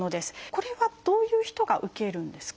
これはどういう人が受けるんですか？